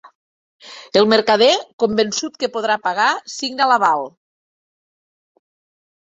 El mercader, convençut que podrà pagar, signa l’aval.